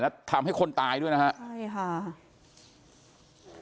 แล้วทำให้คนตายด้วยนะครับ